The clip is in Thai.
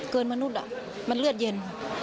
เกินมนุษย์อ่ะมันเลือดเย็น